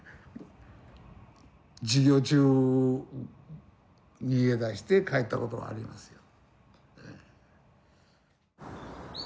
授業中逃げ出して帰ったこともありますよ。